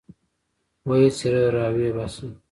ويې څيره راويې باسه.